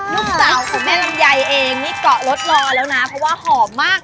ลูกสาวของแม่ลำไยเองนี่เกาะรถรอแล้วนะเพราะว่าหอมมาก